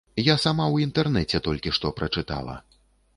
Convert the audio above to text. Я сама ў інтэрнэце толькі што прачытала.